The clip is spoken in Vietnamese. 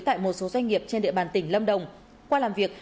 tại một số doanh nghiệp trên địa bàn tỉnh lâm đồng qua làm việc